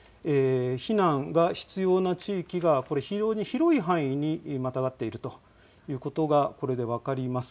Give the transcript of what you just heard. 避難が必要な地域が、これ、非常に広い範囲にまたがっているということがこれで分かります。